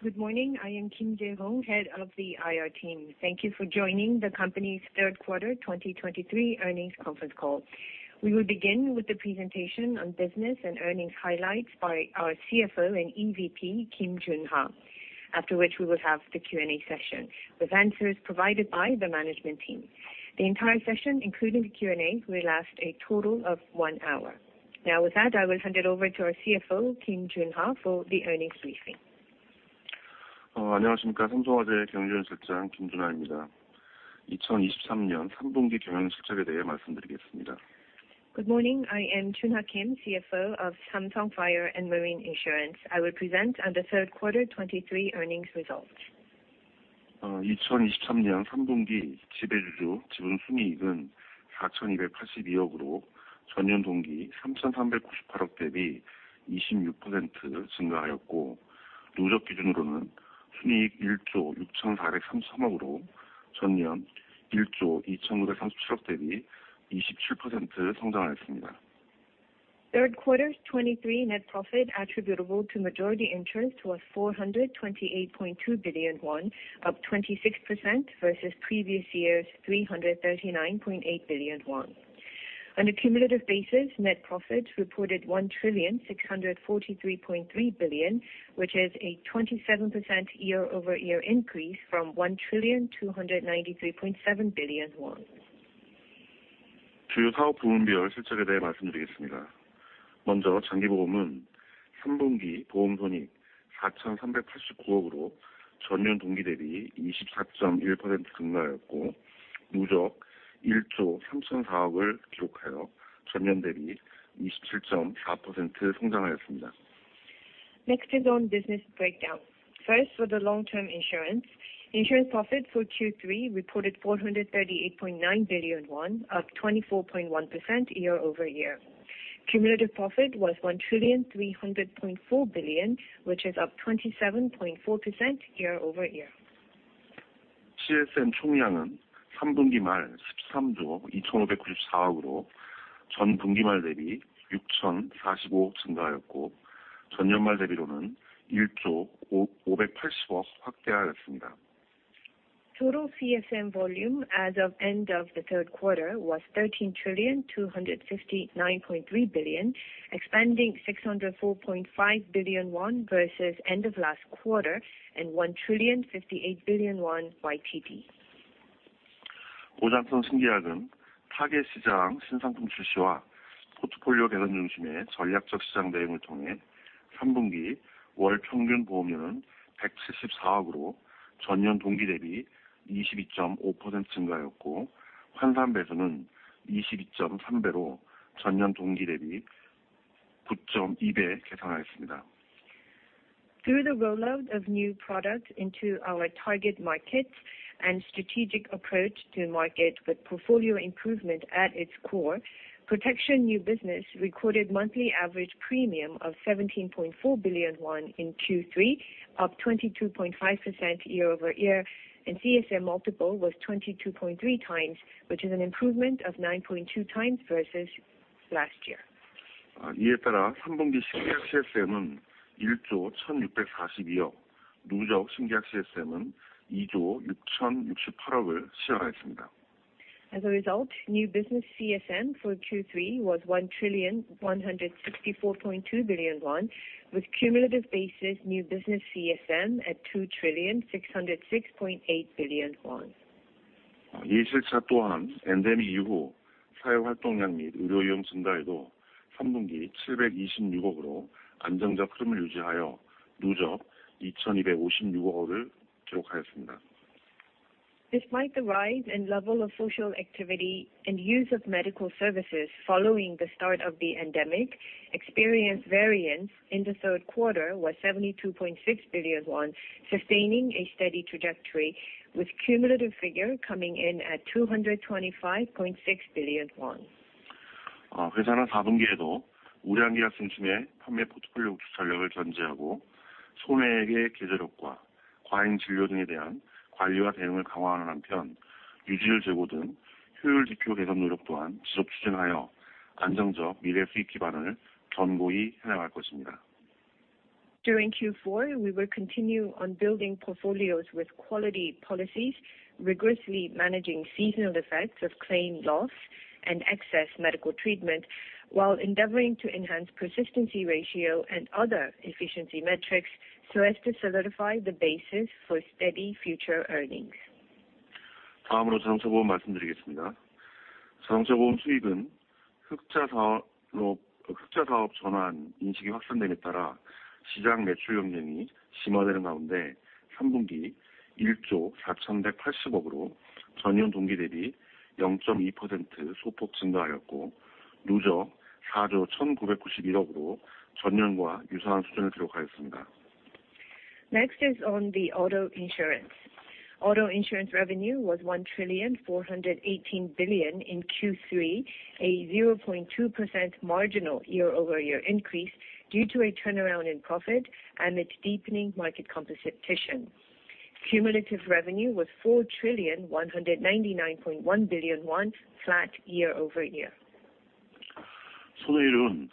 Good morning, I am Kim Jae-hong, Head of the IR team. Thank you for joining the company's third quarter 2023 earnings conference call. We will begin with the presentation on business and earnings highlights by our CFO and EVP Kim Jun Ha, after which we will have the Q&A session, with answers provided by the Management team. The entire session, including the Q&A, will last a total of one hour. Now, with that, I will hand it over to our CFO, Kim Jun Ha, for the earnings briefing. Good morning, I am Jun Ha Kim, CFO of Samsung Fire & Marine Insurance. I will present on the third quarter 2023 earnings results. Third quarter 2023 net profit attributable to majority interest was 428.2 billion won, up 26% versus previous year's 339.8 billion won. On a cumulative basis, net profits reported KRW 1,643.3 billion, which is a 27% year-over-year increase from KRW 1,293.7 billion won. Next is on business breakdown. First, for the long-term insurance. Insurance profit for Q3 reported 438.9 billion won, up 24.1% year-over-year. Cumulative profit was 1,300.4 billion, which is up 27.4% year-over-year. Total CSM volume as of end of the third quarter was 13,259.3 billion, expanding 604.5 billion won versus end of last quarter, and 1,058 billion won YTD. Through the rollout of new products into our target markets and strategic approach to market with portfolio improvement at its core, protection new business recorded monthly average premium of 17.4 billion won in Q3, up 22.5% year-over-year, and CSM multiple was 22.3x, which is an improvement of 9.2x versus last year. As a result, new business CSM for Q3 was 1,164.2 billion won, with cumulative basis new business CSM at 2,606.8 billion won. Despite the rise in level of social activity and use of medical services following the start of the pandemic, experience variance in the third quarter was 72.6 billion won, sustaining a steady trajectory, with cumulative figure coming in at 225.6 billion won. During Q4, we will continue on building portfolios with quality policies, rigorously managing seasonal effects of claim loss and excess medical treatment, while endeavoring to enhance persistency ratio and other efficiency metrics, so as to solidify the basis for steady future earnings. Next is on the auto insurance. Auto insurance revenue was 1,418 billion in Q3, a 0.2% marginal year-over-year increase due to a turnaround in profit and its deepening market competition. Cumulative revenue was 4,199.1 billion won, flat year-over-year. ...손해율은,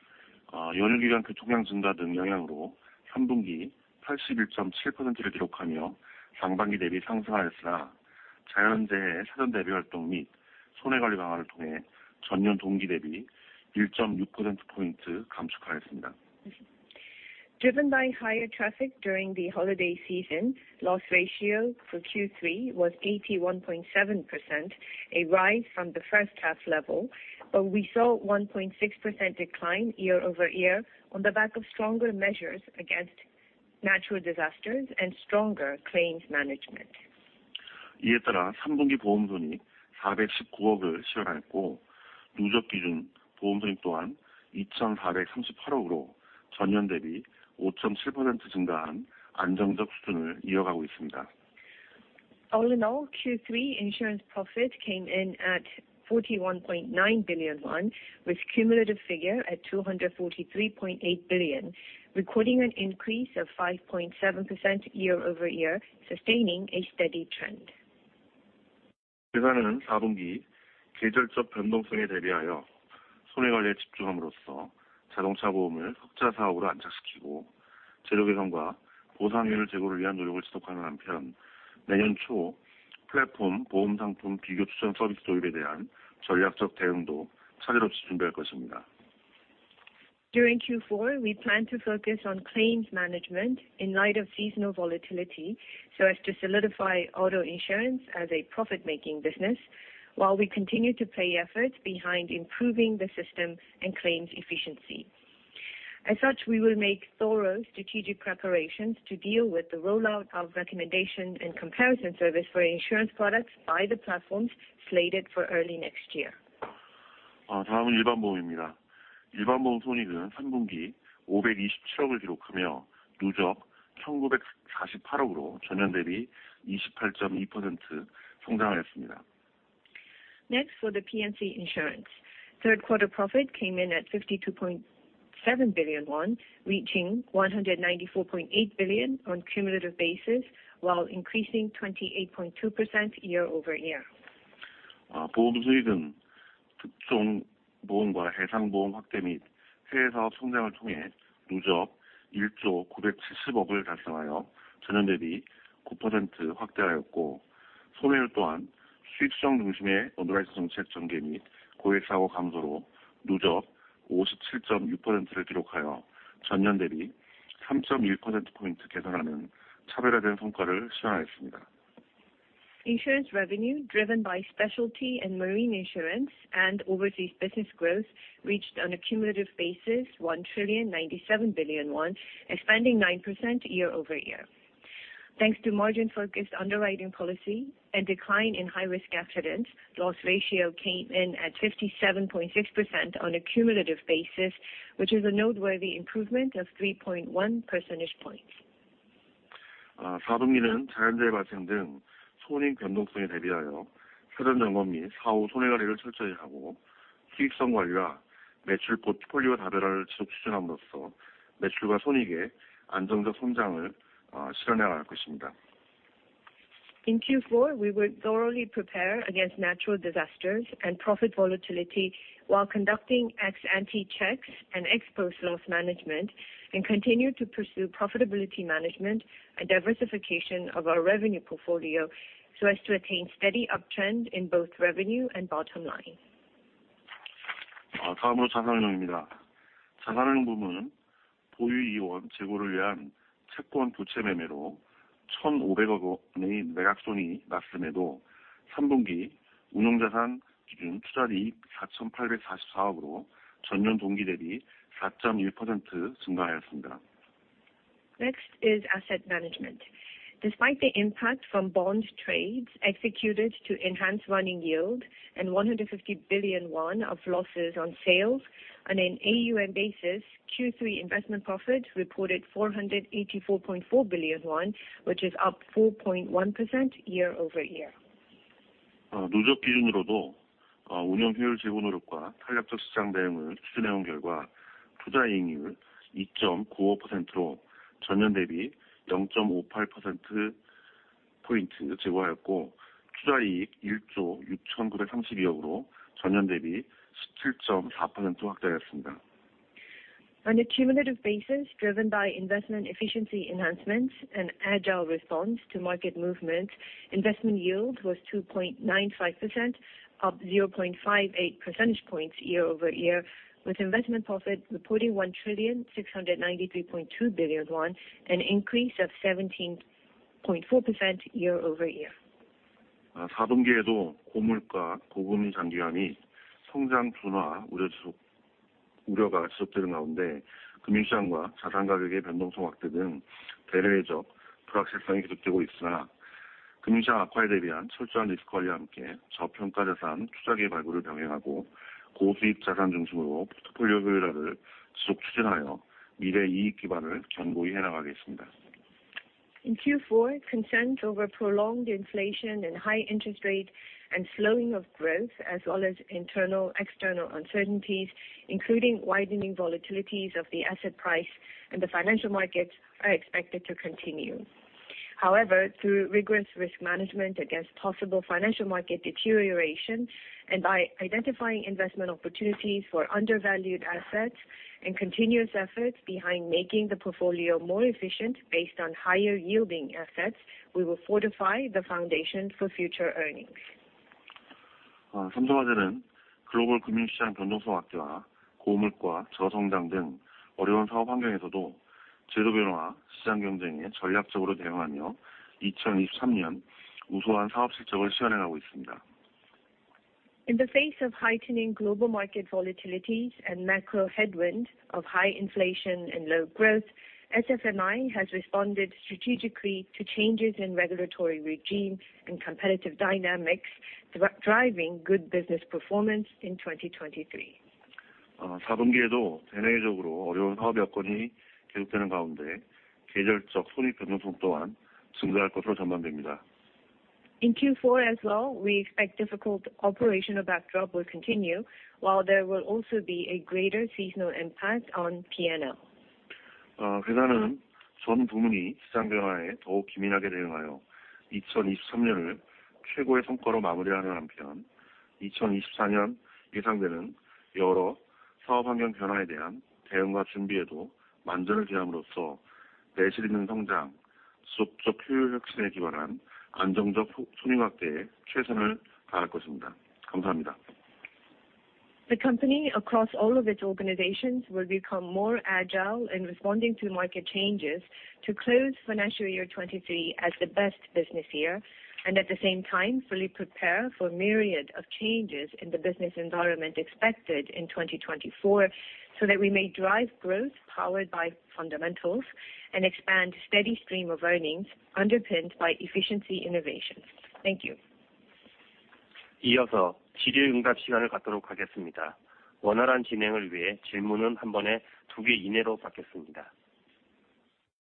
연휴기간 교통량 증가 등 영향으로 3분기 81.7%를 기록하며 상반기 대비 상승하였으나, 자연재해 사전대비 활동 및 손해관리 강화를 통해 전년 동기 대비 1.6 퍼센트 포인트 감축하였습니다. Driven by higher traffic during the holiday season, loss ratio for Q3 was 81.7%, a rise from the first half level, but we saw 1.6% decline year-over-year on the back of stronger measures against natural disasters and stronger claims management. 이에 따라 삼분기 보험 손익 KRW 490억을 실현하였고, 누적 기준 보험 손익 또한 KRW 2,438억으로 전년 대비 0.7% 증가한 안정적 수준을 이어가고 있습니다. All in all, Q3 insurance profit came in at 41.9 billion won, with cumulative figure at 243.8 billion, recording an increase of 5.7% year-over-year, sustaining a steady trend. 회사는 사분기 계절적 변동성에 대비하여 손해 관리에 집중함으로써 자동차 보험을 흑자 사업으로 안착시키고, 재료 개선과 보상률 제고를 위한 노력을 지속하는 한편, 내년 초 플랫폼 보험 상품 비교 추천 서비스 도입에 대한 전략적 대응도 차질 없이 준비할 것입니다. During Q4, we plan to focus on claims management in light of seasonal volatility, so as to solidify auto insurance as a profit making business, while we continue to pay efforts behind improving the system and claims efficiency. As such, we will make thorough strategic preparations to deal with the rollout of recommendation and comparison service for insurance products by the platforms slated for early next year. 다음은 일반 보험입니다. 일반 보험 손익은 3분기 KRW 527억을 기록하며, 누적 KRW 1,948억으로 전년 대비 28.1% 성장하였습니다. Next, for the P&C insurance, third quarter profit came in at 52.7 billion won, reaching 194.8 billion on cumulative basis, while increasing 28.2% year-over-year. 보험 수익은 특종 보험과 해상 보험 확대 및 해외 사업 성장을 통해 누적 KRW 1,970억을 달성하여 전년 대비 9% 확대하였고, 손해율 또한 수익성 중심의 언더라이팅 정책 전개 및 고액 사고 감소로 누적 57.6%를 기록하여, 전년 대비 3.1퍼센트 포인트 개선하는 차별화된 성과를 실현하였습니다. Insurance revenue, driven by specialty and marine insurance and overseas business growth, reached, on a cumulative basis, 1,097 billion won, expanding 9% year-over-year. Thanks to margin focused underwriting policy and decline in high risk accidents, loss ratio came in at 57.6% on a cumulative basis, which is a noteworthy improvement of 3.1 percentage points. 사분기는 자연재해 발생 등 손익 변동성에 대비하여 사전 점검 및 사후 손해 관리를 철저히 하고, 수익성 관리와 매출 포트폴리오 다변화를 지속 추진함으로써 매출과 손익의 안정적 성장을 실현해 나갈 것입니다. In Q4, we will thoroughly prepare against natural disasters and profit volatility while conducting ex-ante checks and ex-post loss management, and continue to pursue profitability management and diversification of our revenue portfolio, so as to attain steady uptrend in both revenue and bottom line. loss of KRW 150 billion, recorded investment profit of KRW 484.4 billion based on third quarter managed assets, up 4.1% from the same period last year. Next is asset management. Despite the impact from bond trades executed to enhance running yield and 150 billion won of losses on sales on an AUM basis, Q3 investment profit reported 484.4 billion won, which is up 4.1% year-over-year. 누적 기준으로도 운용 효율 제고 노력과 탄력적 시장 대응을 추진해 온 결과, 투자 이익률 2.95%로 전년 대비 0.58%포인트 제고하였고, 투자이익 KRW 1,693.2억으로 전년 대비 17.4% 확대하였습니다. On a cumulative basis, driven by investment efficiency enhancements and agile response to market movements, investment yield was 2.95%, up 0.58 percentage points year-over-year, with investment profit reporting 1,693.2 billion won, an increase of 17.4% year-over-year. 사분기에도 고물가, 고금리 장기화 및 성장 둔화 우려가 지속되는 가운데, 금융시장과 자산 가격의 변동성 확대 등 대내외적 불확실성이 계속되고 있으나, 금융시장 악화에 대비한 철저한 리스크 관리와 함께 저평가 자산 투자 개발구를 병행하고, 고수익 자산 중심으로 포트폴리오 효율화를 지속 추진하여 미래 이익 기반을 견고히 해 나가겠습니다. In Q4, concerns over prolonged inflation and high interest rate and slowing of growth, as well as internal, external uncertainties, including widening volatilities of the asset price and the financial markets, are expected to continue. However, through rigorous risk management against possible financial market deterioration and by identifying investment opportunities for undervalued assets and continuous efforts behind making the portfolio more efficient based on higher yielding assets, we will fortify the foundation for future earnings. In the face of heightening global market volatilities and macro headwind of high inflation and low growth, SFMI has responded strategically to changes in regulatory regime and competitive dynamics, driving good business performance in 2023. In Q4 as well, we expect difficult operational backdrop will continue, while there will also be a greater seasonal impact on PNL. The company, across all of its organizations, will become more agile in responding to market changes to close financial year 2023 as the best business year, and at the same time, fully prepare for a myriad of changes in the business environment expected in 2024, so that we may drive growth powered by fundamentals and expand steady stream of earnings underpinned by efficiency innovation. Thank you.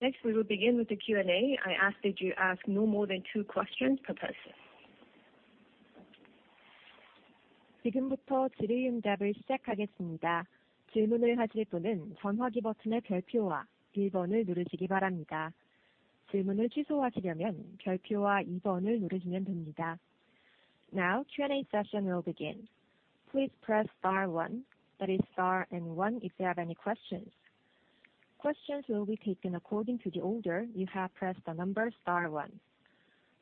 Next, we will begin with the Q&A. I ask that you ask no more than two questions per person. Now, Q&A session will begin. Please press star one, that is star and one, if you have any questions. Questions will be taken according to the order you have pressed the number star one.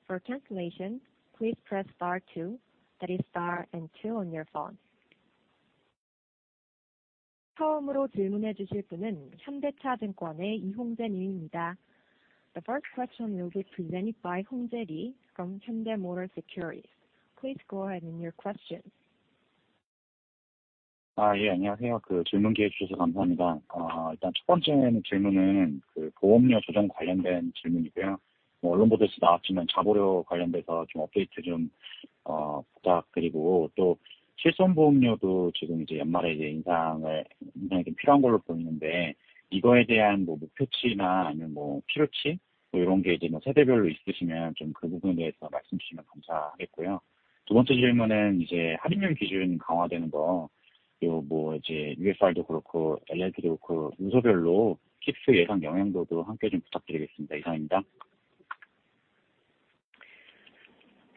For cancellation, please press star two, that is star and two on your phone. The first question will be presented by Hong Se-jin from Hyundai Motor Securities. Please go ahead with your question. 안녕하세요, 질문 기회 주셔서 감사합니다. 일단 첫 번째 질문은, 보험료 조정 관련된 질문이고요. 언론보도에서 나왔지만 자보험료 관련돼서 업데이트 부탁드리고, 또 실손보험료도 지금 연말에 인상이 필요한 걸로 보이는데, 이거에 대한 목표치나 아니면 필요치, 이런 게 세대별로 있으시면 그 부분에 대해서 말씀 주시면 감사하겠고요. 두 번째 질문은 할인율 기준 강화되는 거, 그리고 UFR도 그렇고 LLP도 그렇고 분야별로 K-ICS 예상 영향도 함께 부탁드리겠습니다. 이상입니다.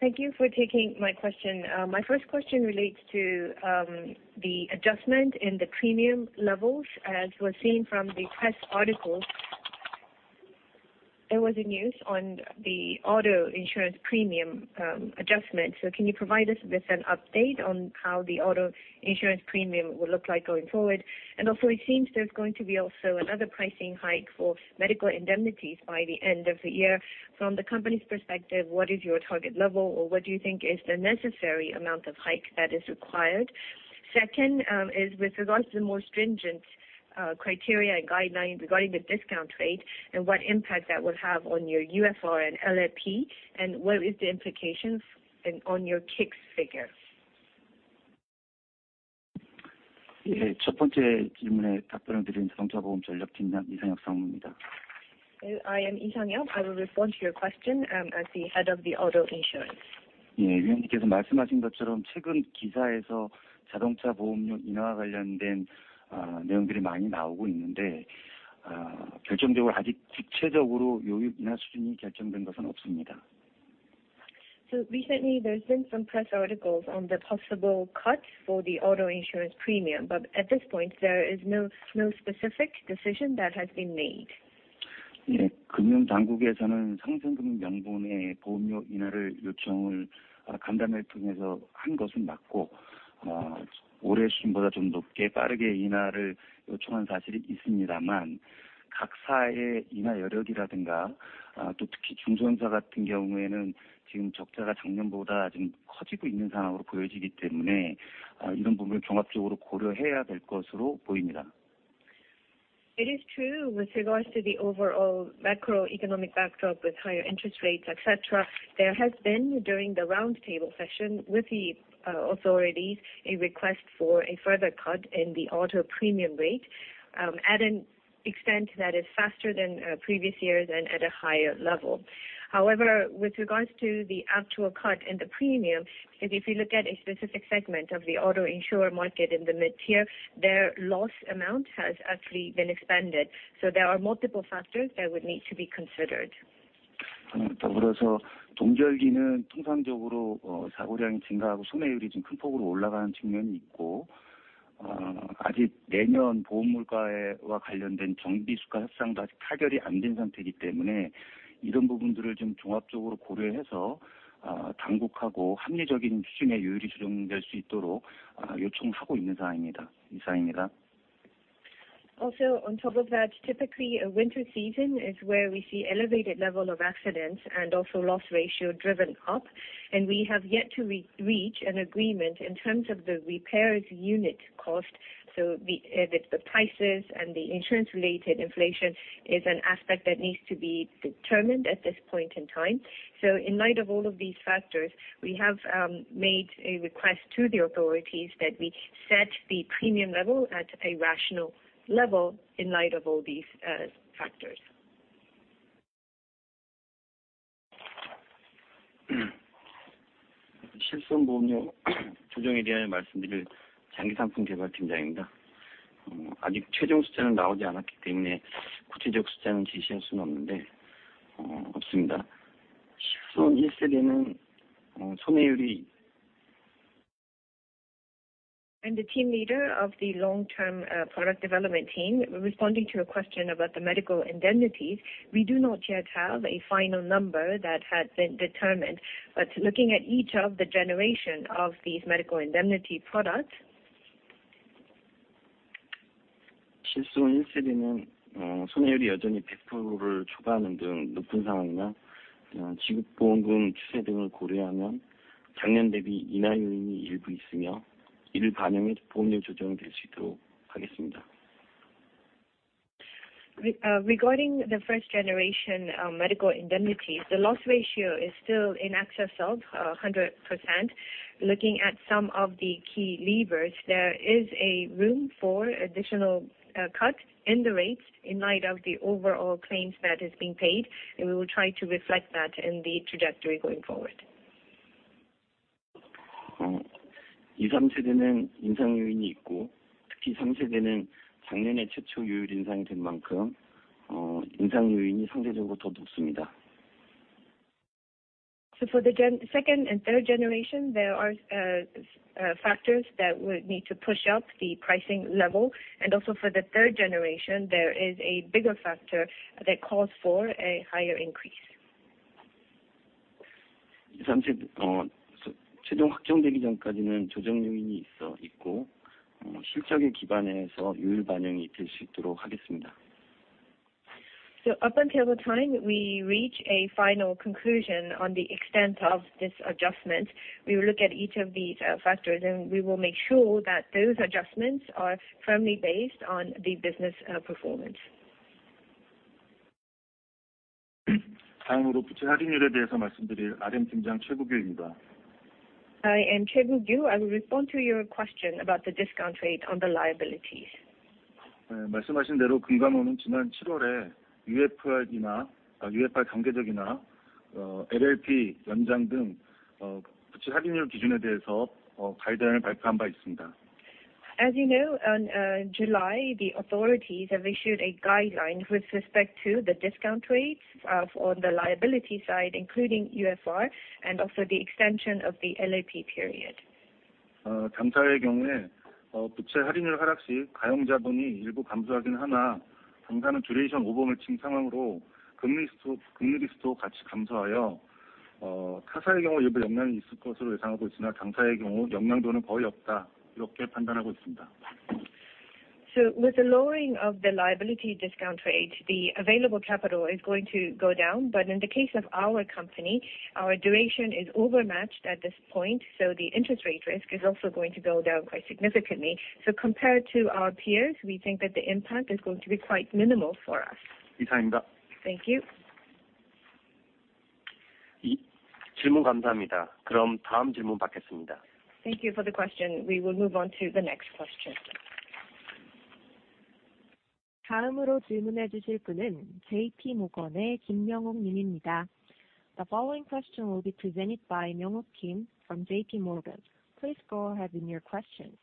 Thank you for taking my question. My first question relates to the adjustment in the premium levels. As was seen from the press articles, there was a news on the auto insurance premium adjustment. So can you provide us with an update on how the auto insurance premium will look like going forward? And also, it seems there's going to be also another pricing hike for medical indemnities by the end of the year. From the company's perspective, what is your target level, or what do you think is the necessary amount of hike that is required? Second, is with regards to the more stringent criteria and guidelines regarding the discount rate, and what impact that will have on your UFR and LLP, and what is the implications and on your KICS figure? Yeah. I am Lee Sang-young. I will respond to your question as the head of the auto insurance. So recently there's been some press articles on the possible cuts for the auto insurance premium, but at this point, there is no specific decision that has been made. It is true with regards to the overall macroeconomic backdrop, with higher interest rates, et cetera, there has been during the roundtable session with the authorities a request for a further cut in the auto premium rate at an extent that is faster than previous years and at a higher level. However, with regards to the actual cut in the premium, if you look at a specific segment of the auto insurer market in the mid-tier, their loss amount has actually been expanded, so there are multiple factors that would need to be considered. ... 더불어서 동절기는 통상적으로, 사고량이 증가하고 손해율이 좀큰 폭으로 올라가는 측면이 있고, 아직 내년 보험료와 관련된 정비 수가 협상도 아직 타결이 안된 상태이기 때문에, 이런 부분들을 좀 종합적으로 고려해서, 당국하고 합리적인 수준의 요율이 조정될 수 있도록, 요청을 하고 있는 상황입니다. 이상입니다. Also, on top of that, typically, a winter season is where we see elevated level of accidents and also loss ratio driven up, and we have yet to reach an agreement in terms of the repairs unit cost. So the prices and the insurance related inflation is an aspect that needs to be determined at this point in time. So in light of all of these factors, we have made a request to the authorities that we set the premium level at a rational level in light of all these factors. 실손보험료 조정에 대하여 말씀드릴 장기상품개발팀장입니다. 아직 최종 숫자는 나오지 않았기 때문에 구체적 숫자는 제시할 수는 없는데, 없습니다. 실손 일세대는, 손해율이- I'm the team leader of the Long-Term product development team. Responding to a question about the medical indemnities, we do not yet have a final number that has been determined, but looking at each of the generation of these medical indemnity products. 실손 일세대는, 손해율이 여전히 100%를 초과하는 등 높은 상황이나, 지급 보험금 추세 등을 고려하면 작년 대비 인하 요인이 일부 있으며, 이를 반영해 보험료 조정이 될수 있도록 하겠습니다. Regarding the first generation medical indemnities, the loss ratio is still in excess of 100%. Looking at some of the key levers, there is a room for additional cut in the rates in light of the overall claims that is being paid, and we will try to reflect that in the trajectory going forward. 이 삼세대는 인상 요인이 있고, 특히 삼세대는 작년에 최초 요율 인상이 된 만큼, 인상 요인이 상대적으로 더 높습니다. So for the gen, second and third generation, there are factors that would need to push up the pricing level. And also for the third generation, there is a bigger factor that calls for a higher increase. 이 삼세, 최종 확정되기 전까지는 조정 요인이 있어, 있고, 실적에 기반해서 요율 반영이 될수 있도록 하겠습니다. So up until the time we reach a final conclusion on the extent of this adjustment, we will look at each of these factors, and we will make sure that those adjustments are firmly based on the business performance. who will speak about the liability discount rate. I am Choi Kuk-il. I will respond to your question about the discount rate on the liabilities. 말씀하신 대로 금감원은 지난 칠월에 UFR이나, UFR 단계적이나, LLP 연장 등, 부채 할인율 기준에 대해서 가이드라인을 발표한 바 있습니다. As you know, on July, the authorities have issued a guideline with respect to the discount rates on the liability side, including UFR and also the extension of the LLP period. 당사의 경우에, 부채 할인율 하락 시 가용 자본이 일부 감소하긴 하나 당사는 듀레이션 오버매치 상황으로 금리 리스크, 금리 리스크도 같이 감소하여, 타사의 경우 일부 영향이 있을 것으로 예상하고 있으나, 당사의 경우 영향도는 거의 없다, 이렇게 판단하고 있습니다. So with the lowering of the liability discount rate, the available capital is going to go down. But in the case of our company, our duration is overmatched at this point, so the interest rate risk is also going to go down quite significantly. So compared to our peers, we think that the impact is going to be quite minimal for us. 이상입니다. Thank you. 질문 감사합니다. 그럼 다음 질문 받겠습니다. Thank you for the question. We will move on to the next question. 다음으로 질문해 주실 분은 JP 모건의 김명옥 님입니다. The following question will be presented by Myeongguk Kim from JPMorgan. Please go ahead with your question.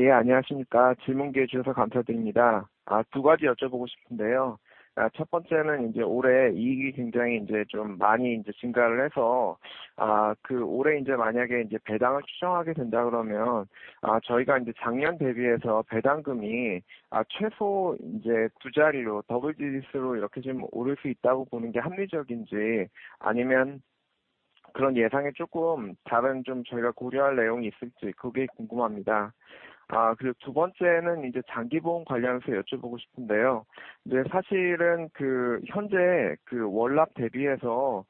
예, 안녕하십니까? 질문해 주셔서 감사드립니다. 두 가지 여쭤보고 싶은데요. 첫 번째는 이제 올해 이익이 굉장히 이제 좀 많이 이제 증가를 해서, 그 올해 이제 만약에 이제 배당을 추정하게 된다고 그러면, 저희가 이제 작년 대비해서 배당금이 최소 이제 두 자리로, 더블 디지스로 이렇게 좀 오를 수 있다고 보는 게 합리적인지, 아니면 그런 예상에 조금 다른 좀 저희가 고려할 내용이 있을지, 그게 궁금합니다. 그리고 두 번째는 이제 장기 보험 관련해서 여쭤보고 싶은데요. 이제 사실은 그 현재 그 월납 대비해서,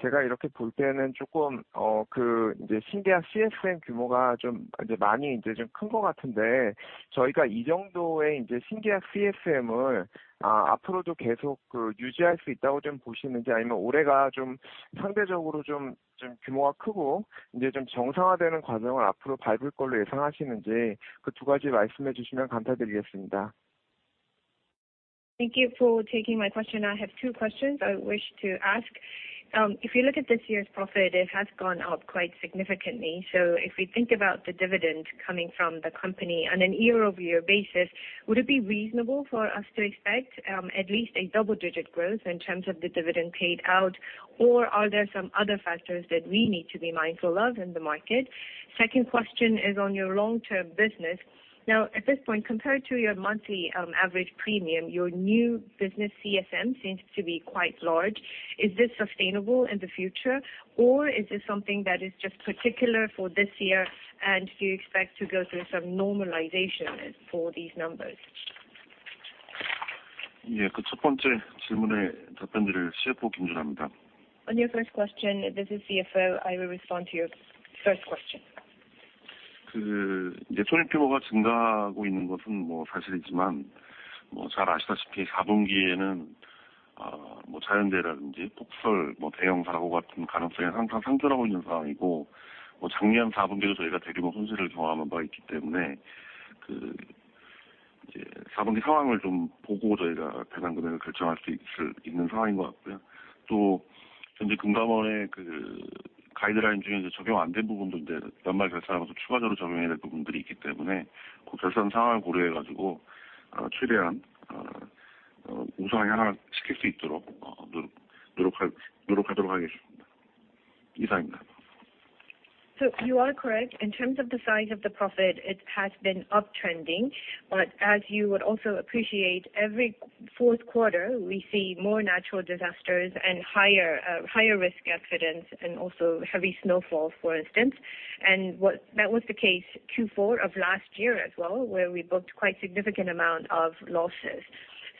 제가 이렇게 볼 때는 조금 그 이제 신계약 CSM 규모가 좀 이제 많이 이제 좀큰것 같은데, 저희가 이 정도의 이제 신계약 CSM을 앞으로도 계속 그 유지할 수 있다고 좀 보시는지, 아니면 올해가 좀 상대적으로 좀, 좀 규모가 크고, 이제 좀 정상화되는 과정을 앞으로 밟을 걸로 예상하시는지, 그두 가지 말씀해 주시면 감사드리겠습니다. Thank you for taking my question. I have two questions I wish to ask. If you look at this year's profit, it has gone up quite significantly. So if we think about the dividend coming from the company on a year-over-year basis, would it be reasonable for us to expect at least a double digit growth in terms of the dividend paid out? Or are there some other factors that we need to be mindful of in the market? Second question is on your long term business. Now, at this point, compared to your monthly average premium, your new business CSM seems to be quite large. Is this sustainable in the future, or is this something that is just particular for this year and you expect to go through some normalization for these numbers? Yeah... On your first question, this is CFO. I will respond to your first question. So you are correct. In terms of the size of the profit, it has been uptrending, but as you would also appreciate, every fourth quarter, we see more natural disasters and higher, higher risk accidents and also heavy snowfall, for instance. And that was the case Q four of last year as well, where we booked quite significant amount of losses.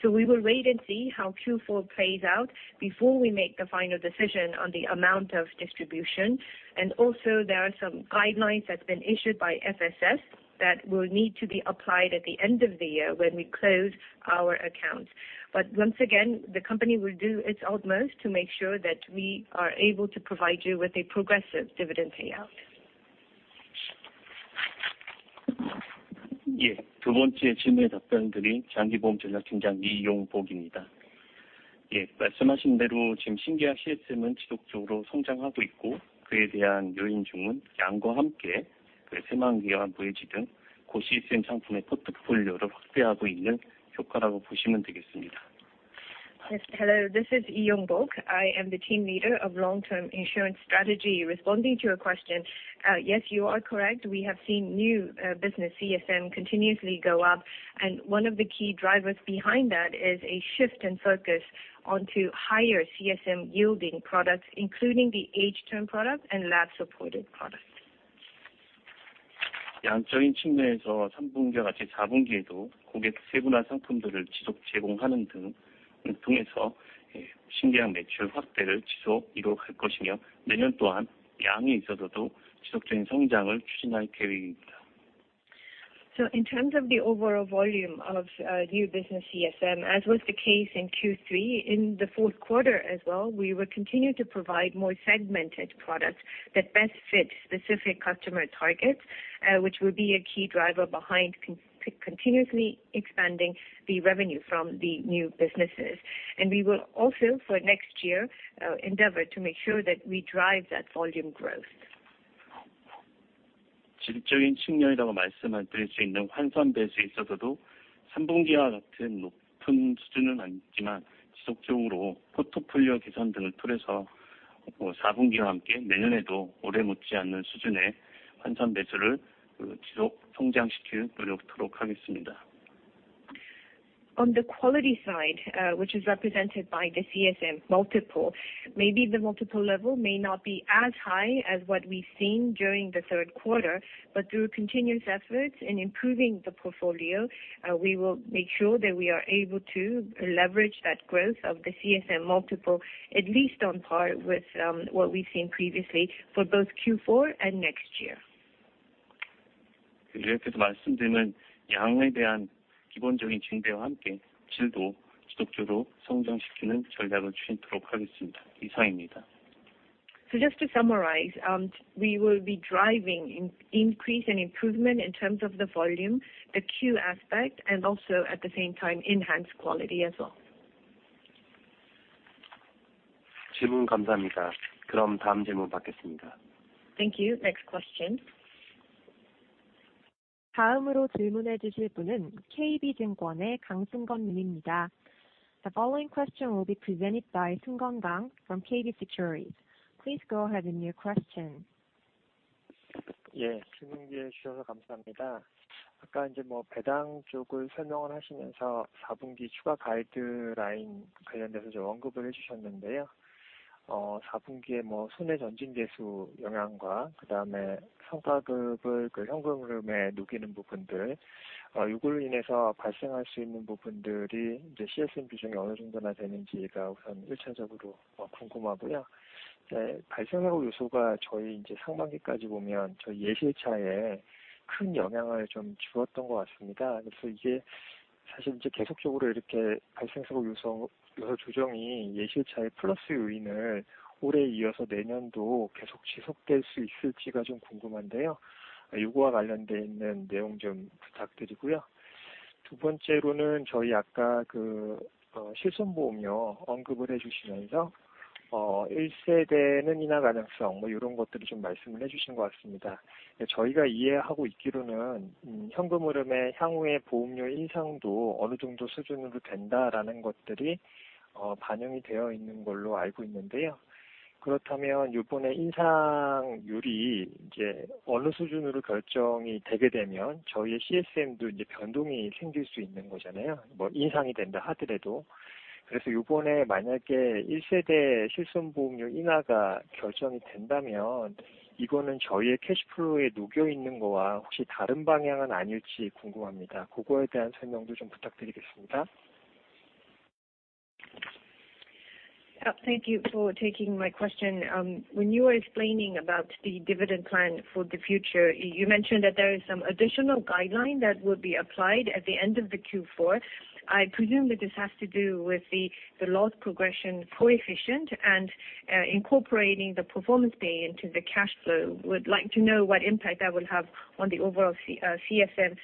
So we will wait and see how Q four plays out before we make the final decision on the amount of distribution. And also there are some guidelines that have been issued by FSS that will need to be applied at the end of the year when we close our accounts. But once again, the company will do its utmost to make sure that we are able to provide you with a progressive dividend payout. Yes. Hello, this is Yong-bok. I am the Team Leader of Long-Term Insurance Strategy. Responding to your question, yes, you are correct. We have seen new business CSM continuously go up, and one of the key drivers behind that is a shift in focus onto higher CSM yielding products, including the H term product and Lapse-supported products. So in terms of the overall volume of new business CSM, as was the case in Q3, in the fourth quarter as well, we will continue to provide more segmented products that best fit specific customer targets, which will be a key driver behind continuously expanding the revenue from the new businesses. And we will also, for next year, endeavor to make sure that we drive that volume growth. On the quality side, which is represented by the CSM multiple, maybe the multiple level may not be as high as what we've seen during the third quarter, but through continuous efforts in improving the portfolio, we will make sure that we are able to leverage that growth of the CSM multiple, at least on par with what we've seen previously for both Q4 and next year. So just to summarize, we will be driving increase and improvement in terms of the volume, the Q aspect, and also at the same time enhance quality as well. Thank you. Next question. The following question will be presented by Kang Seung-gun from KB Securities. Please go ahead with your question. Yes, 두 번째로는 저희 아까 그, 실손보험료 언급을 해주시면서, 일세대는 인하 가능성, 이런 것들을 좀 말씀을 해주신 것 같습니다. 예, 저희가 이해하고 있기로는, 현금 흐름의 향후의 보험료 인상도 어느 정도 수준으로 된다라는 것들이, 반영이 되어 있는 걸로 알고 있는데요. 그렇다면 이번에 인상률이 이제 어느 수준으로 결정이 되게 되면 저희의 CSM도 이제 변동이 생길 수 있는 거잖아요, 인상이 된다 하더라도. 그래서 이번에 만약에 일세대 실손보험료 인하가 결정이 된다면, 이거는 저희의 캐시플로우에 녹여 있는 거와 혹시 다른 방향은 아닐지 궁금합니다. 그거에 대한 설명도 좀 부탁드리겠습니다. Thank you for taking my question. When you were explaining about the dividend plan for the future, you mentioned that there is some additional guideline that would be applied at the end of the Q4. I presume that this has to do with the loss progression coefficient and incorporating the performance pay into the cash flow. Would like to know what impact that will have on the overall CSM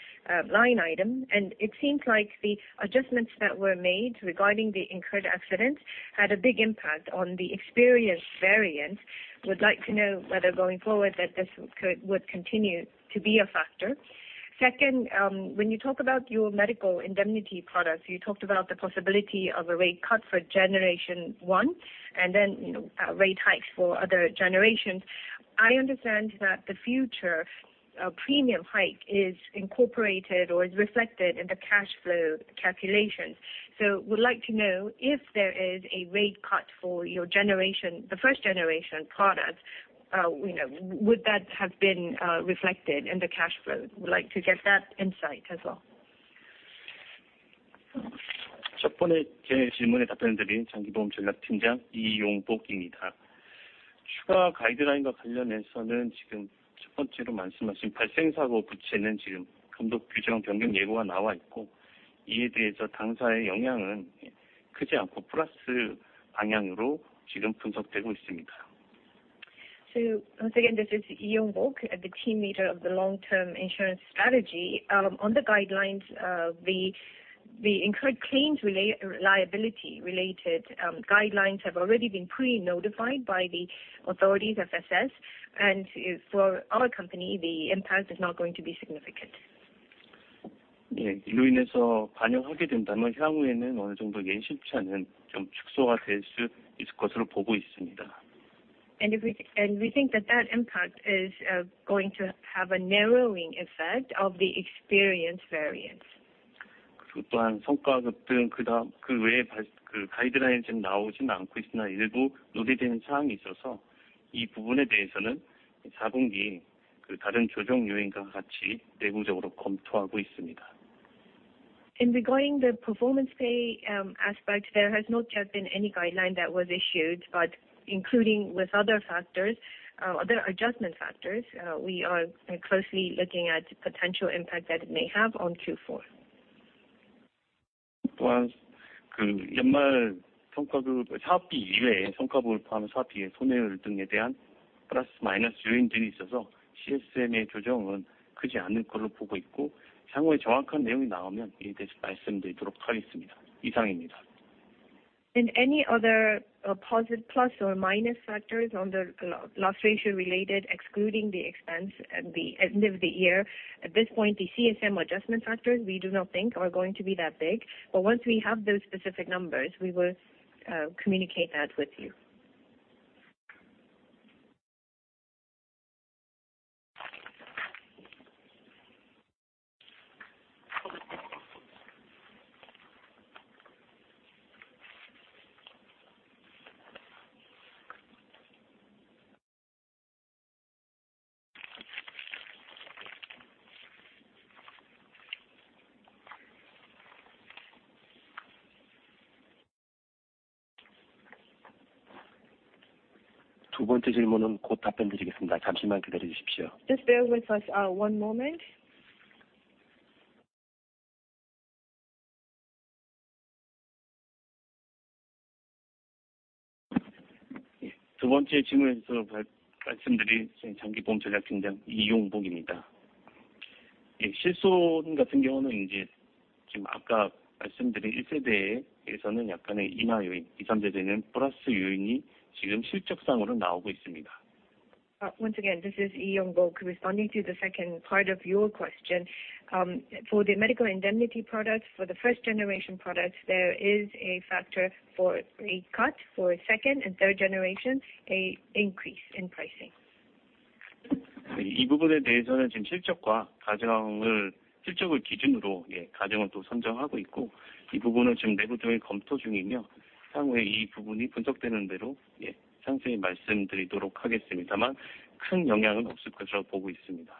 line item. And it seems like the adjustments that were made regarding the incurred accidents had a big impact on the experience variance. Would like to know whether, going forward, this could continue to be a factor. Second, when you talk about your medical indemnity products, you talked about the possibility of a rate cut for generation one, and then, you know, rate hikes for other generations. I understand that the future premium hike is incorporated or is reflected in the cash flow calculations. So would like to know if there is a rate cut for your generation, the first generation product, you know, would that have been reflected in the cash flow? Would like to get that insight as well. Point you mentioned, the incurred accident liability, there is now a notice of change in supervisory regulations, and regarding this, the impact on our company is not large and is being analyzed in a positive direction. So once again, this is Yong-bok, the team leader of the long-term insurance strategy. On the guidelines, the incurred claims liability related guidelines have already been pre-notified by the authorities FSS, and for our company, the impact is not going to be significant. 예, 이로 인해서 반영하게 된다면 향후에는 어느 정도 예상치 않은 좀 축소가 될수 있을 것으로 보고 있습니다. If we think that that impact is going to have a narrowing effect of the Experience Variance. 그리고 또한 성과급 등그 다음, 그 외에 가이드라인은 지금 나오지는 않고 있으나, 일부 논의되는 사항이 있어서, 이 부분에 대해서는 사분기 그 다른 조정 요인과 같이 내부적으로 검토하고 있습니다. Regarding the performance pay aspect, there has not yet been any guideline that was issued, but including with other factors, other adjustment factors, we are closely looking at potential impact that it may have on Q4. 또한, 그 연말 성과급, 사업비 이외에 성과급을 포함한 사업비의 손해율 등에 대한 플러스 마이너스 요인들이 있어서 CSM의 조정은 크지 않을 걸로 보고 있고, 향후에 정확한 내용이 나오면 이에 대해서 말씀드리도록 하겠습니다. 이상입니다. In any other positive, plus or minus factors on the loss ratio related, excluding the expense at the end of the year, at this point, the CSM Adjustment Factors, we do not think are going to be that big, but once we have those specific numbers, we will communicate that with you. 두 번째 질문은 곧 답변 드리겠습니다. 잠시만 기다려 주십시오. Just bear with us, one moment. 예, 두 번째 질문에서 말씀드린 장기보험 전략팀장 이용복입니다. 예, 실손 같은 경우는 이제 지금 아까 말씀드린 일세대에서는 약간의 인하 요인, 이삼세대는 플러스 요인이 지금 실적상으로 나오고 있습니다. Once again, this is Yong-bok, responding to the second part of your question. For the medical indemnity products, for the first generation products, there is a factor for a cut. For second and third generation, a increase in pricing. 이 부분에 대해서는 지금 실적과 가정을, 실적을 기준으로, 예, 가정을 또 선정하고 있고, 이 부분은 지금 내부적으로 검토 중이며, 향후에 이 부분이 분석되는 대로, 예, 상세히 말씀드리도록 하겠습니다만, 큰 영향은 없을 것으로 보고 있습니다.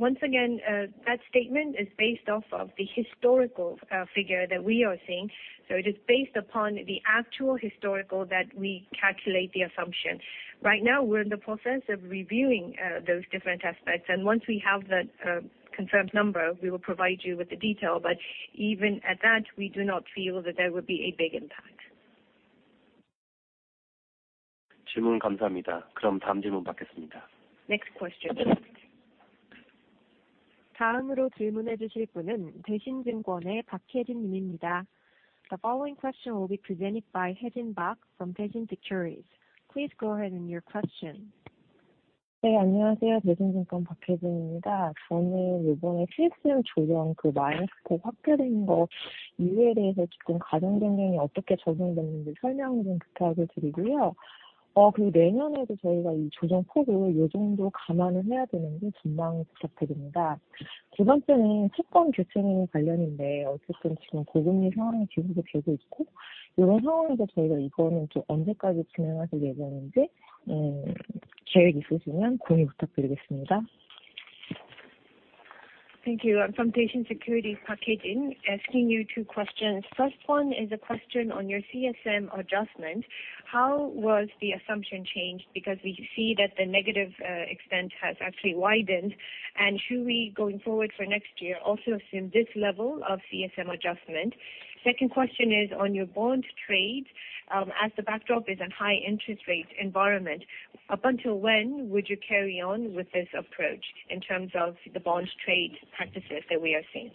Once again, that statement is based off of the historical figure that we are seeing. So it is based upon the actual historical that we calculate the assumption. Right now, we're in the process of reviewing those different aspects, and once we have that confirmed number, we will provide you with the detail. But even at that, we do not feel that there would be a big impact.... 질문 감사합니다. 그럼 다음 질문 받겠습니다. Next question. 다음으로 질문해 주실 분은 대신증권의 박혜진 님입니다. The following question will be presented by Hyejin Park from Daishin Securities. Please go ahead and your question. 네, 안녕하세요. 대신증권 박혜진입니다. 저는 이번에 CSM 조정, 그 마이너스 폭 확대된 거 이유에 대해서 지금 가정 변경이 어떻게 적용됐는지 설명을 좀 부탁을 드리고요. 그리고 내년에도 저희가 이 조정 폭을 이 정도 감안을 해야 되는지 전망 부탁드립니다. 두 번째는 채권 교체 관련인데, 어쨌든 지금 고금리 상황이 계속되고 있고, 이런 상황에서 저희가 이거는 언제까지 진행하실 예정인지, 계획 있으시면 공유 부탁드리겠습니다. Thank you. I'm from Daishin Securities, Park Hye-jin, asking you two questions. First one is a question on your CSM adjustment. How was the assumption changed? Because we see that the negative extent has actually widened. And should we, going forward for next year, also assume this level of CSM adjustment? Second question is on your bond trade. As the backdrop is in high interest rate environment, up until when would you carry on with this approach in terms of the bond trade practices that we are seeing?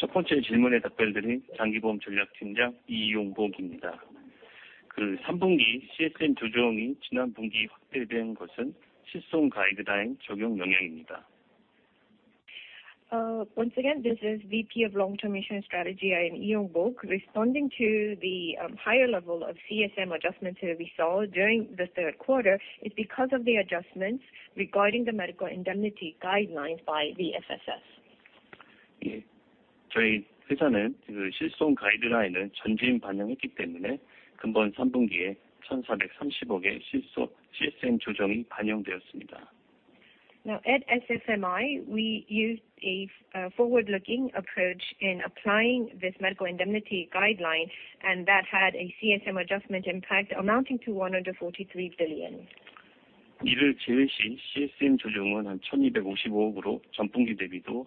The CSM adjustment in the third quarter expanded from the previous quarter due to the impact of applying the Silson guidelines. Once again, this is VP of Long-Term Insurance Strategy and Lee Yong-bok, responding to the higher level of CSM adjustments that we saw during the third quarter is because of the adjustments regarding the medical indemnity guidelines by the FSS. 예, 저희 회사는 그 실손 가이드라인을 전진 반영했기 때문에 금번 삼 분기에 KRW 1,430억의 실손 CSM 조정이 반영되었습니다. Now, at SFMI, we used a forward-looking approach in applying this medical indemnity guideline, and that had a CSM adjustment impact amounting to 143 billion. 이를 제외시 CSM 조정은 KRW 1,250억으로 전분기 대비도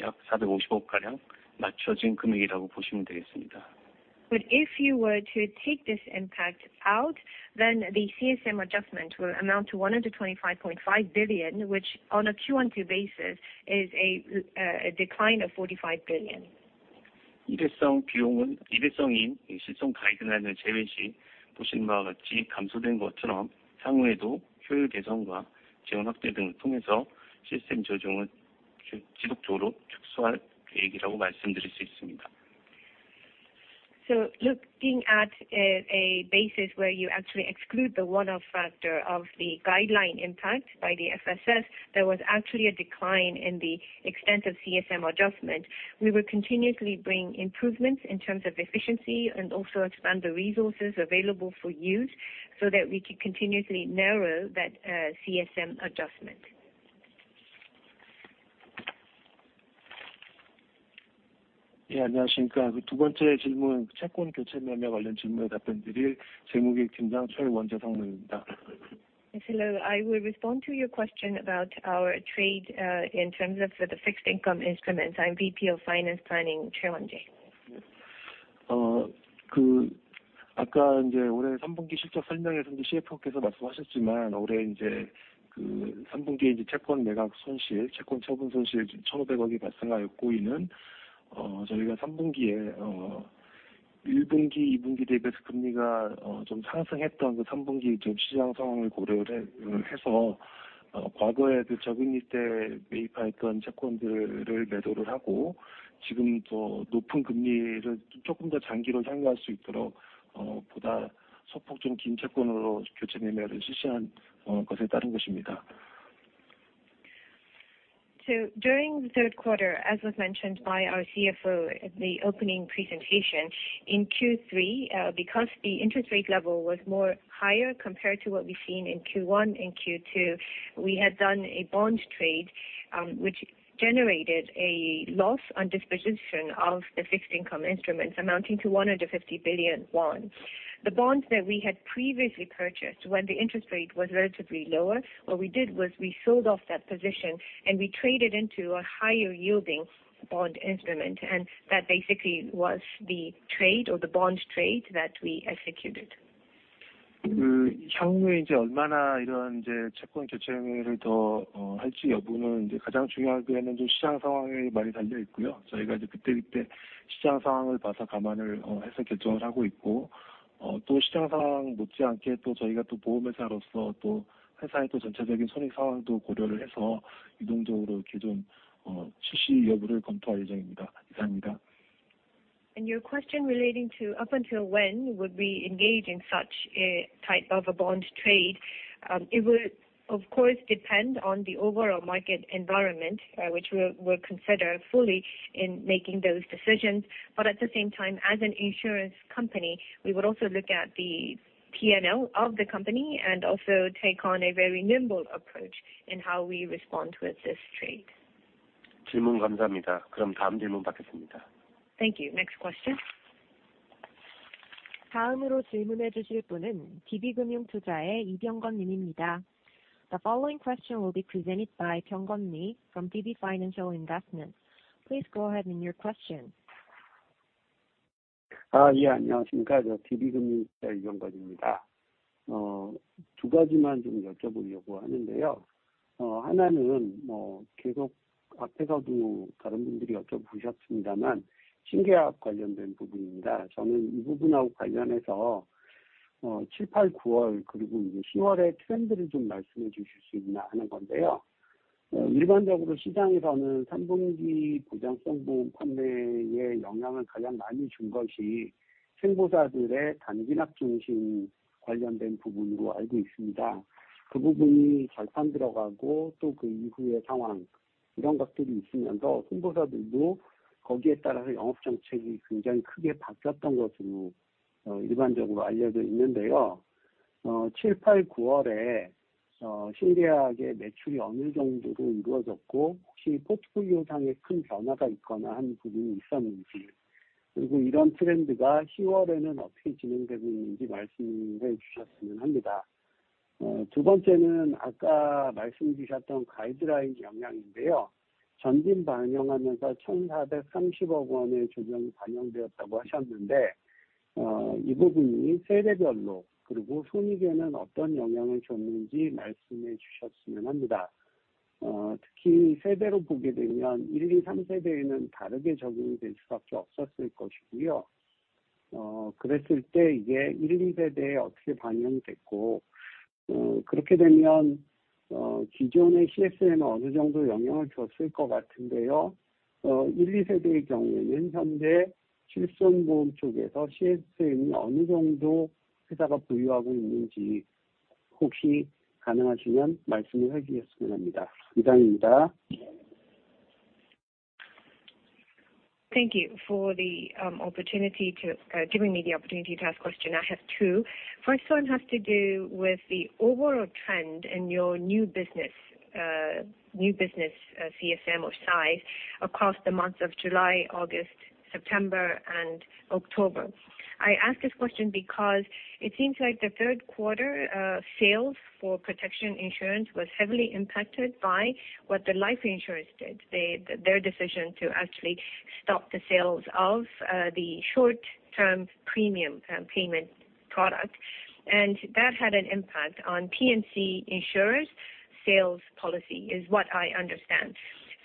약 KRW 450억가량 낮춰진 금액이라고 보시면 되겠습니다. But if you were to take this impact out, then the CSM adjustment will amount to 125.5 billion, which on a Q-on-Q basis is a decline of 45 billion. 일회성 비용은, 일회성인 실손 가이드라인을 제외시 보시는 바와 같이 감소된 것처럼, 향후에도 효율 개선과 재원 확대 등을 통해서 시스템 조정을 지속적으로 축소할 계획이라고 말씀드릴 수 있습니다. Looking at a basis where you actually exclude the one-off factor of the guideline impact by the FSS, there was actually a decline in the extent of CSM adjustment. We will continuously bring improvements in terms of efficiency and also expand the resources available for use so that we can continuously narrow that CSM adjustment. 예, 안녕하십니까? 두 번째 질문 채권 교체 매매 관련 질문에 답변드릴 재무팀장 최원재 성명입니다. Hello. I will respond to your question about our trade, in terms of the fixed income instruments. I'm VP of Finance Planning, Choi Won-jae. 아까 올해 3분기 실적 설명회에서 CFO께서 말씀하셨지만, 올해 그 3분기에 채권 매각 손실, 채권 처분 손실 150 billion이 발생하였고, 이는 저희가 3분기에 1분기, 2분기 대비해서 금리가 좀 상승했던 3분기 시장 상황을 고려해서 과거에 저금리 때 매입하였던 채권들을 매도하고, 지금 더 높은 금리를 조금 더 장기로 향유할 수 있도록 보다 소폭 긴 채권으로 교체 매매를 실시한 것에 따른 것입니다. So during the third quarter, as was mentioned by our CFO at the opening presentation, in Q3, because the interest rate level was more higher compared to what we've seen in Q1 and Q2, we had done a bond trade, which generated a loss on disposition of the fixed income instruments amounting to 150 billion won. The bonds that we had previously purchased, when the interest rate was relatively lower, what we did was we sold off that position and we traded into a higher yielding bond instrument, and that basically was the trade or the bond trade that we executed. 그 향후에 이제 얼마나 이런 이제 채권 교체 매매를 더 할지 여부는 이제 가장 중요하게는 시장 상황에 많이 달려 있고요. 저희가 이제 그때, 그때 시장 상황을 봐서 감안을 해서 결정을 하고 있고, 또 시장 상황 못지않게 또 저희가 또 보험회사로서 또 회사의 또 전체적인 손익 상황도 고려를 해서 유동적으로 기존 출시 여부를 검토할 예정입니다. 이상입니다. Your question relating to up until when would we engage in such a type of a bond trade? It would, of course, depend on the overall market environment, which we'll consider fully in making those decisions. But at the same time, as an insurance company, we would also look at the PNL of the company and also take on a very nimble approach in how we respond with this trade. 질문 감사합니다. 그럼 다음 질문 받겠습니다. Thank you. Next question. 다음으로 질문해 주실 분은 DB금융투자의 이병권 님입니다. The following question will be presented by Lee Byung-gun from DB Financial Investment. Please go ahead in your question. Uh, yeah. Thank you for the opportunity to give me the opportunity to ask question. I have two. First one has to do with the overall trend in your new business, new business, CSM or size across the months of July, August, September and October. I ask this question because it seems like the third quarter, sales for protection insurance was heavily impacted by what the life insurers did. They, their decision to actually stop the sales of the short-term premium, payment product, and that had an impact on P&C insurers sales policy, is what I understand.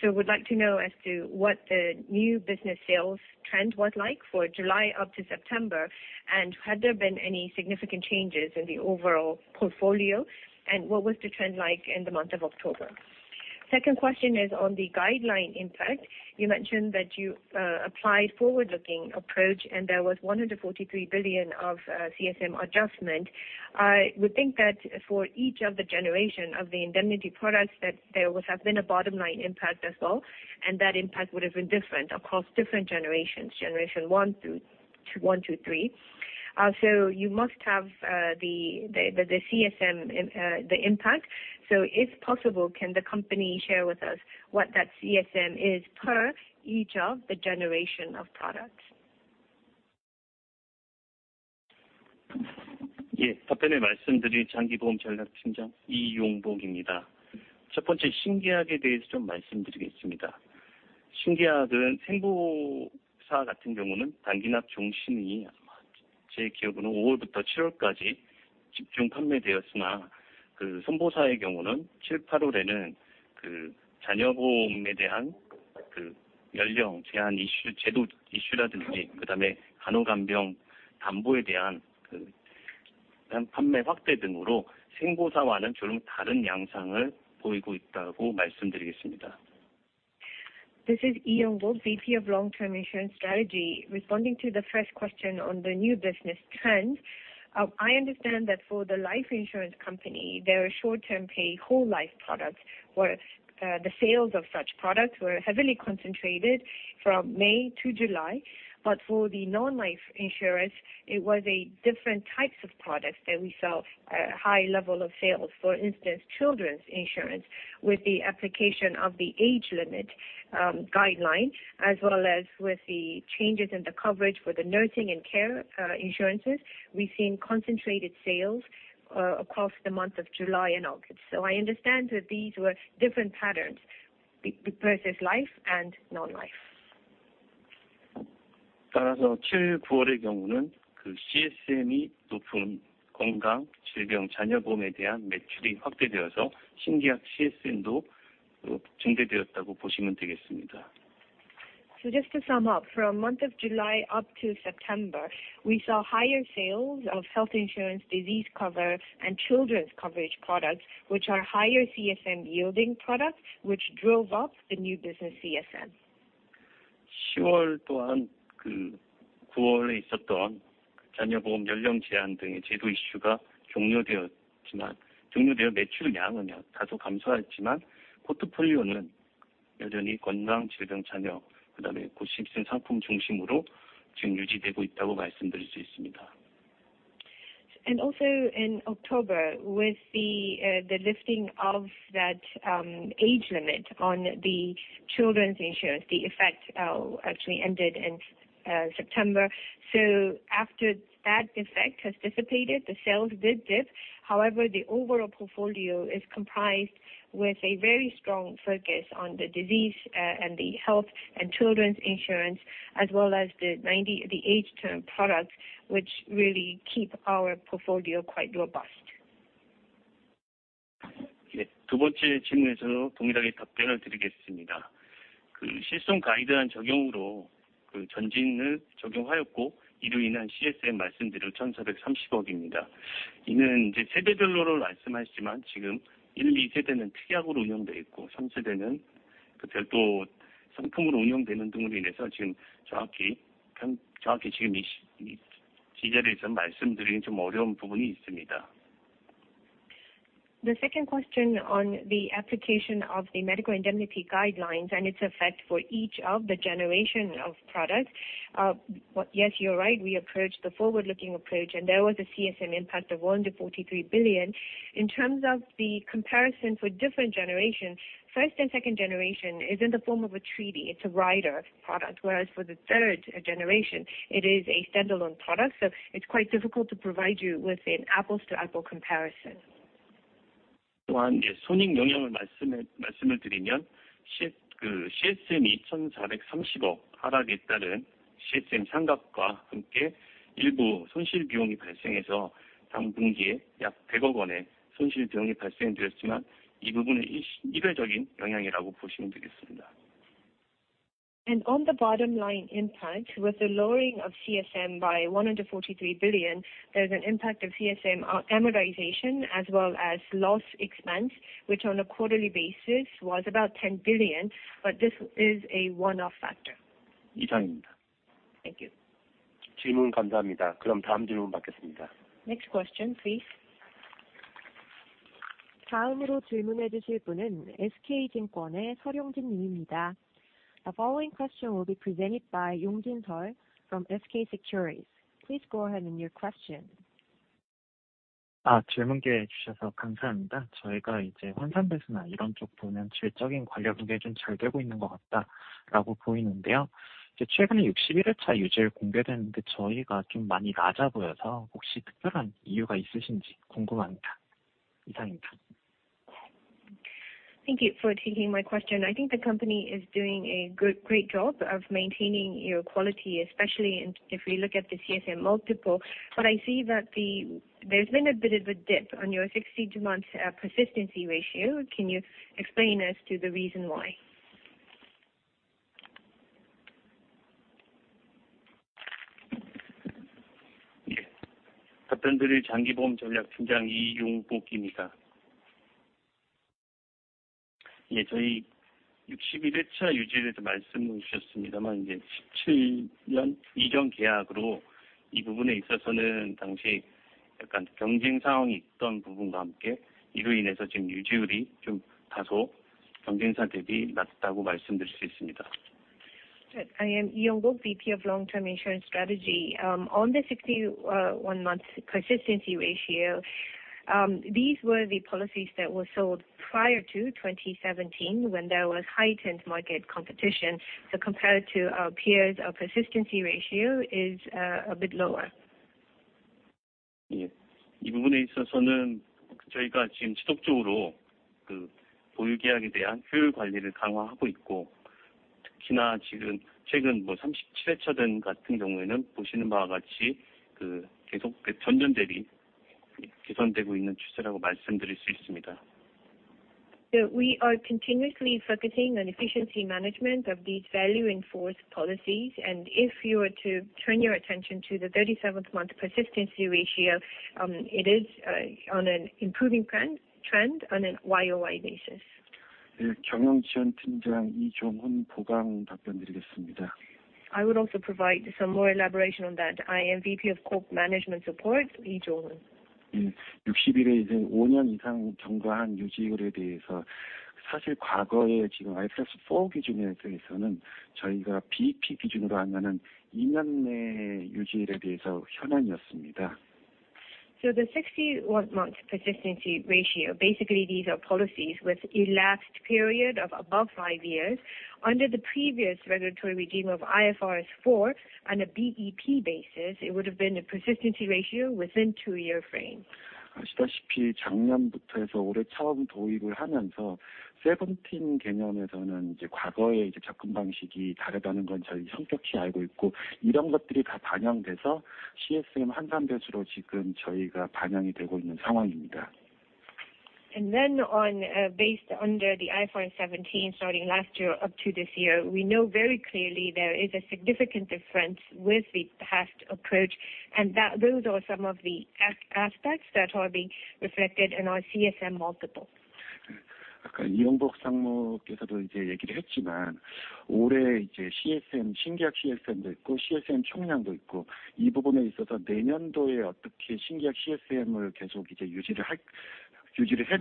So would like to know as to what the new business sales trend was like for July up to September, and had there been any significant changes in the overall portfolio, and what was the trend like in the month of October? Second question is on the guideline impact. You mentioned that you applied forward-looking approach and there was 143 billion of CSM adjustment. I would think that for each of the generation of the indemnity products, that there would have been a bottom line impact as well, and that impact would have been different across different generations, generation one through to one to three. So you must have the CSM impact. So if possible, can the company share with us what that CSM is per each of the generation of products? Yes, this is Lee Yong-bok, VP of Long-Term Insurance Strategy. Responding to the first question on the new business trends, I understand that for the life insurance company, there are short-term pay, whole life products, where the sales of such products were heavily concentrated from May to July. But for the non-life insurance, it was a different types of products that we sell, a high level of sales. For instance, children's insurance with the application of the age limit guideline, as well as with the changes in the coverage for the nursing and care insurances. We've seen concentrated sales across the month of July and August. So I understand that these were different patterns because it's life and non-life. So just to sum up, from month of July up to September, we saw higher sales of health insurance, disease cover, and children's coverage products, which are higher CSM yielding products, which drove up the new business CSM. And also in October, with the lifting of that age limit on the children's insurance, the effect actually ended in September. So after that effect has dissipated, the sales did dip. However, the overall portfolio is comprised with a very strong focus on the disease and the health and children's insurance, as well as the 90- age term products, which really keep our portfolio quite robust. Yes. The second question on the application of the medical indemnity guidelines and its effect for each of the generation of products. What, yes, you're right, we approached the forward-looking approach, and there was a CSM impact of 143 billion. In terms of the comparison for different generations, first and second generation is in the form of a treaty. It's a rider product, whereas for the third generation, it is a standalone product. So it's quite difficult to provide you with an apples to apples comparison. On the bottom line impact, with the lowering of CSM by 143 billion, there's an impact of CSM amortization, as well as loss expense, which on a quarterly basis was about 10 billion, but this is a one-off factor. Thank you. Next question, please. The following question will be presented by Seol Yong-jin from SK Securities. Please go ahead with your question. Thank you for taking my question. I think the company is doing a good, great job of maintaining your quality, especially, if we look at the CSM multiple, but I see that there's been a bit of a dip on your 60-month persistency ratio. Can you explain as to the reason why? I am Yong-bok, VP of Long-Term Insurance Strategy. On the 61-month persistency ratio, these were the policies that were sold prior to 2017, when there was heightened market competition. So compared to our peers, our persistency ratio is a bit lower. So we are continuously focusing on efficiency management of these value-enforced policies, and if you were to turn your attention to the 37th-month persistency ratio, it is on an improving trend on a YOY basis. I would also provide some more elaboration on that. I am VP of Corp Management Support, Lee Johan. So the 61-month persistency ratio, basically, these are policies with elapsed period of above 5 years. Under the previous regulatory regime of IFRS 4, on a BEP basis, it would have been a persistency ratio within 2-year frame. And then on, based under the IFRS 17, starting last year up to this year, we know very clearly there is a significant difference with the past approach, and that those are some of the aspects that are being reflected in our CSM multiple. As VP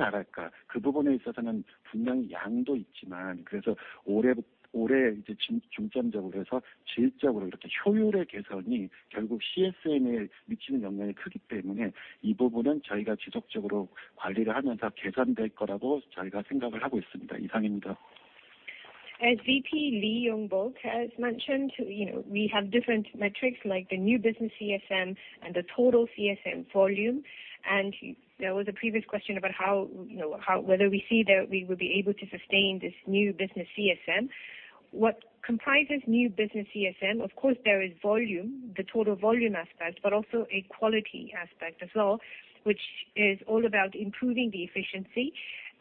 Lee Yong-bok has mentioned, you know, we have different metrics, like the new business CSM and the total CSM volume. And there was a previous question about how, you know, how, whether we see that we will be able to sustain this new business CSM. What comprises new business CSM? Of course, there is volume, the total volume aspect, but also a quality aspect as well, which is all about improving the efficiency.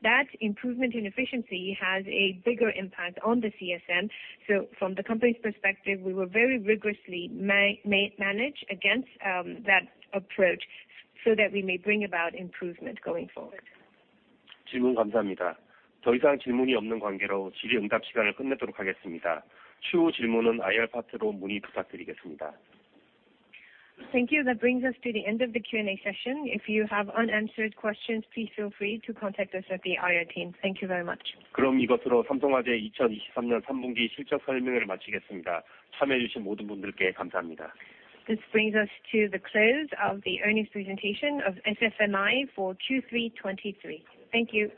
That improvement in efficiency has a bigger impact on the CSM. So from the company's perspective, we will very rigorously manage against that approach so that we may bring about improvement going forward. Thank you. That brings us to the end of the Q&A session. If you have unanswered questions, please feel free to contact us at the IR Team. Thank you very much. This brings us to the close of the earnings presentation of SFMI for 2023. Thank you.